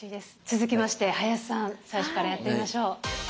続きまして林さん最初からやってみましょう。